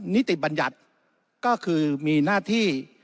นิติบัญญัติก็คือมีหน้าที่